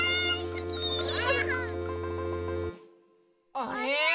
あれ？